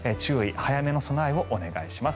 早めの備えをお願いします。